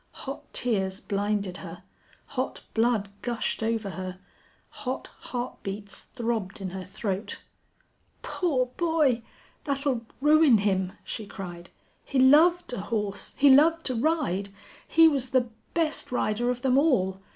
Hot tears blinded her, hot blood gushed over her, hot heart beats throbbed in her throat. "Poor boy! That'll ruin him," she cried. "He loved a horse. He loved to ride. He was the best rider of them all.